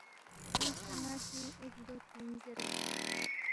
کھیونگس نہ ن٘ا سی ایک دو تین زیرید